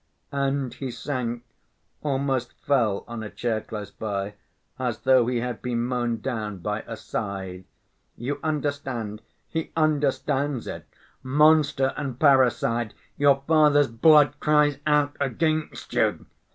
And he sank, almost fell, on a chair close by, as though he had been mown down by a scythe. "You understand? He understands it! Monster and parricide! Your father's blood cries out against you!"